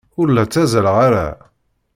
Ur la ttazzaleɣ ara.